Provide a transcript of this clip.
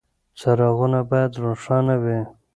څراغونه باید روښانه وي.